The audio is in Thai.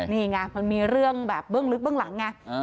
นี่ไงมันมีเรื่องแบบเบื้องลึกเบื้องหลังไง